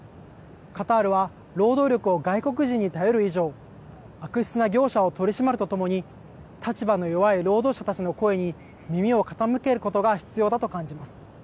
カタールは、労働力を外国人に頼る以上、悪質な業者を取り締まるとともに、立場の弱い労働者たちの声に耳を傾けることが必要だと感じます。